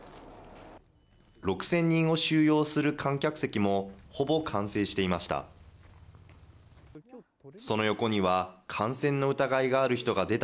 ６０００人を収容する観客席もほぼ完成していました。